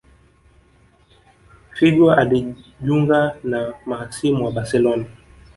Figo alijunga na mahasimu wa Barcelona